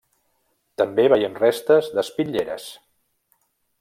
També veiem restes d'espitlleres.